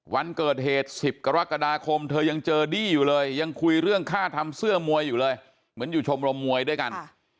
วันเกิดเหตุ๑๐กรกฎาคมเธอยังเจอดี้อยู่เลยยังคุยเรื่องค่าทำเสื้อมวยอยู่เลยเหมือนอยู่ชมรมมวยด้วยกัน